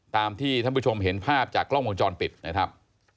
ตามที่ท่านผู้ชมเห็นภาพจากกล้องวงจรปิดนะครับ